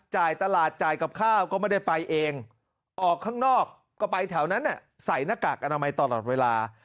จ่ายตลาดจ่ายกับข้าวก็ไม่ได้ไปเองออกข้างนอกก็ไปแถวนั้นใส่หน้ากากอนามัยตลอดเวลา